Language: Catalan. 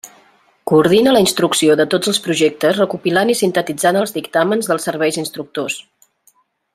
Coordina la instrucció de tots els projectes recopilant i sintetitzant els dictàmens dels serveis instructors.